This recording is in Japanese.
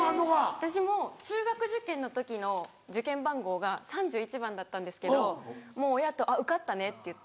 私も中学受験の時の受験番号が３１番だったんですけど親と「受かったね」って言って。